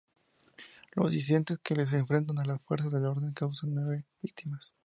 Los incidentes que les enfrentan a las fuerzas del orden causan nueve víctimas.